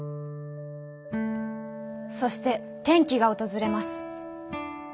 そして転機が訪れます。